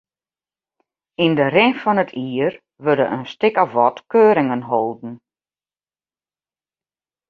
Yn de rin fan it jier wurde in stik of wat keuringen holden.